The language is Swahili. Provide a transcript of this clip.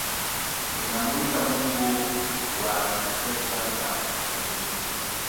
Ninamwita Mungu wa akina Shadrack akupiganie.